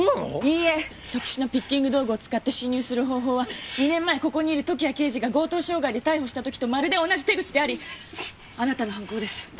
特殊なピッキング道具を使って侵入する方法は２年前ここにいる時矢刑事が強盗傷害で逮捕した時とまるで同じ手口でありあなたの犯行です。